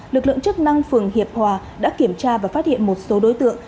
lực lượng chức năng phường hiệp hòa đã kiểm tra và phát hiện một số đối tượng